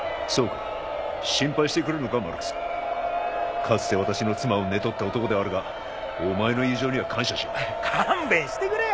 かつて私の妻を寝取った男ではあるがお前の友情には感謝しよう勘弁してくれよ